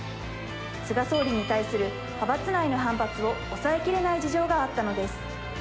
菅総理に対する派閥内の反発を抑えきれない事情があったのです。